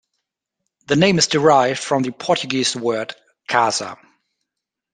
The name is derived from the Portuguese word "casa".